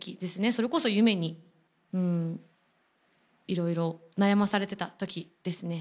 それこそ夢に、うーんいろいろ悩まされてたときですね。